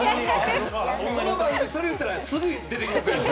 この番組それ言ったら、すぐ出てきますよ。